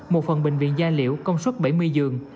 một phần bệnh viện gia liễu công suất bảy mươi giường